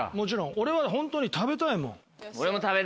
俺はホントに食べたいもん。